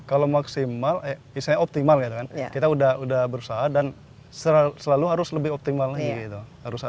kalau maksimal biasanya optimal gitu kan kita sudah berusaha dan selalu harus lebih optimal lagi gitu